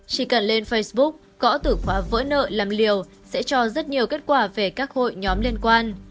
chỉ cần lên facebook gõ tử khóa vỡ nợ làm liều sẽ cho rất nhiều kết quả về các hội nhóm liên quan